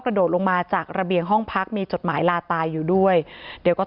โดดลงมาจากระเบียงห้องพักมีจดหมายลาตายอยู่ด้วยเดี๋ยวก็